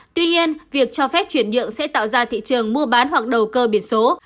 tuy nhiên việc cho phép chuyển nhượng sẽ tạo ra thị trường mua bán hoặc đầu cơ biển số